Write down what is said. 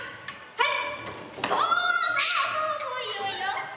はい！